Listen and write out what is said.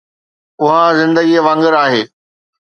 اها زندگي وانگر آهي